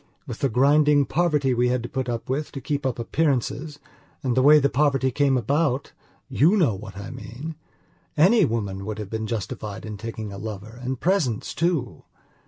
With the grinding poverty we had to put up with to keep up appearances, and the way the poverty came aboutyou know what I meanany woman would have been justified in taking a lover and presents too.